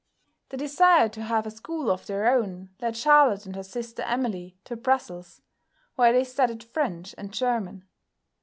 The desire to have a school of their own led Charlotte and her sister Emily to Brussels, where they studied French and German.